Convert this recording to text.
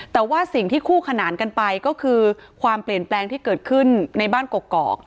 แต่ว่าสิ่งที่คู่ขนานกันไปก็คือความเปลี่ยนแปลงที่เกิดขึ้นในบ้านกกอก